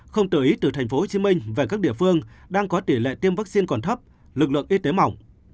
không tự ý từ tp hcm về các địa phương đang có tỷ lệ tiêm vaccine còn thấp lực lượng y tế mỏng